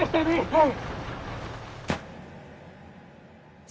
はい！